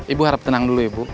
ibu harap tenang dulu ibu